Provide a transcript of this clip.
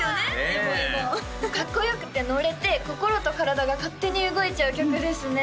エヴォエヴォかっこよくてのれて心と体が勝手に動いちゃう曲ですね